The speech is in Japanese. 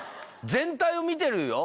全体を見てるよ。